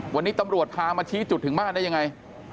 วันนี้ตำรวจพามาชี้จุดถึงบ้านได้ยังไง